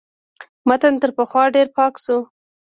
متن تر پخوا ډېر پاک شو.